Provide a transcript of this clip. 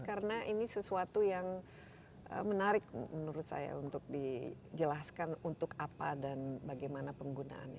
karena ini sesuatu yang menarik menurut saya untuk dijelaskan untuk apa dan bagaimana penggunaannya